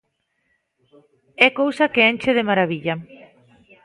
É cousa que enche de marabilla.